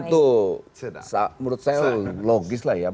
itu menurut saya logis lah ya